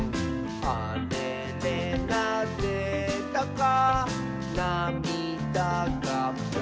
「あれれなぜだかなみだがポロリ」